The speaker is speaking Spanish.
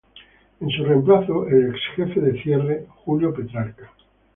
En su reemplazo, el ex jefe de Cierre, Julio Petrarca.